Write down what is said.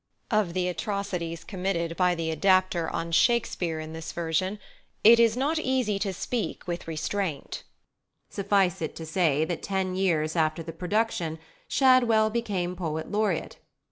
Of the atrocities committed by the adapter on Shakespeare in this version it is not easy to speak with restraint. Suffice it to say that ten years after the production Shadwell became Poet Laureate!